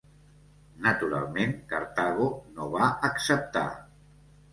Naturalment, Cartago no va acceptar.